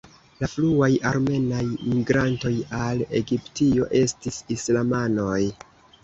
La fruaj armenaj migrantoj al Egiptio estis islamanoj.